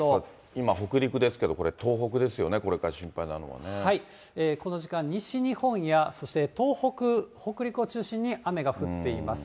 今、北陸ですけれども、これ、東北ですよね、これから心配なのこの時間、西日本や、そして東北、北陸を中心に雨が降っています。